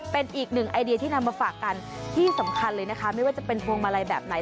เป็นอีกหนึ่งไอเดียที่นำมาฝากกันที่สำคัญเลยนะคะไม่ว่าจะเป็นพวงมาลัยแบบไหน